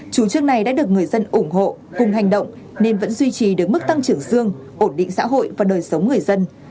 chủ trương này đã được người dân ủng hộ cùng hành động nên vẫn duy trì được mức tăng trưởng dương ổn định xã hội và đời sống người dân